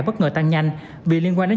bất ngờ tăng nhanh vì liên quan đến